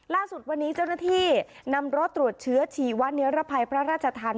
ล่าสุดวันนี้เจ้าหน้าที่นำรถตรวจเชื้อชีวะเนื้อระภัยพระราชทัน